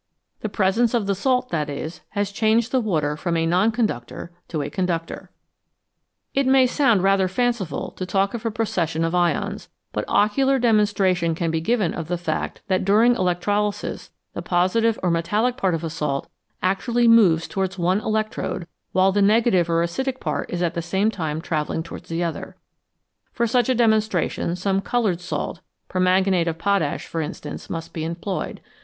The presence of the salt, that is, has changed the water from a non conductor to a conductor. FACTS ABOUT SOLUTIONS It may sound rather fanciful to talk of a proces sion of ions, but ocular demonstration can be given of the fact that during electrolysis the positive or metallic part of a salt actually moves towards one elect rode, while the negative or acidic part is at the same time travelling towards the other. For such a de monstration some coloured salt permanganate of potash, for instance must be employed.